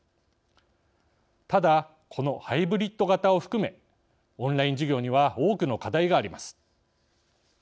ただ、このハイブリッド型を含めオンライン授業には多くの課題があります。